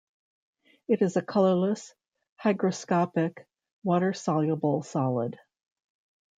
It is a colorless, hygroscopic, water-soluble solid.